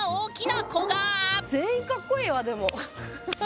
全員かっこいいわでも。